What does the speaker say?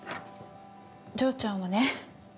丈ちゃんはね